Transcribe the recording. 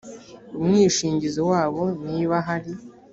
umwishingizi wabo niba ahari